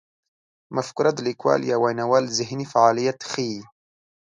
مفکوره د لیکوال یا ویناوال ذهني فعالیت ښيي.